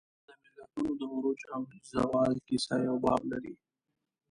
د ملتونو د عروج او زوال کیسه یو باب لري.